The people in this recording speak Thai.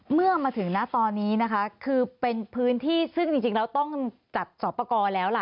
เมื่อมาถึงนะตอนนี้นะคะคือเป็นพื้นที่ซึ่งจริงแล้วต้องจัดสอบประกอบแล้วล่ะ